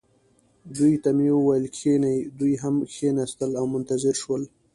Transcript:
دوی ته مې وویل: کښینئ. دوی هم کښېنستل او منتظر شول.